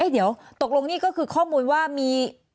เดี๋ยวตกลงนี่ก็คือข้อมูลว่ามี